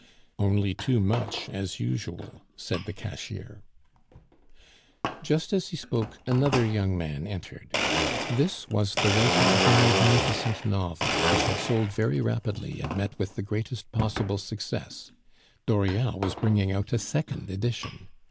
"Only too much as usual," said the cashier. Just as he spoke another young man entered; this was the writer of a magnificent novel which had sold very rapidly and met with the greatest possible success. Dauriat was bringing out a second edition.